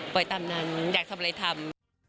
ไปตามนั้นอยากทำอะไรทำ